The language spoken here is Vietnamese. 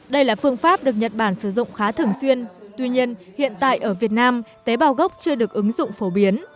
đây là phương pháp được nhật bản sử dụng khá thường xuyên tuy nhiên hiện tại ở việt nam tế bào gốc chưa được ứng dụng phổ biến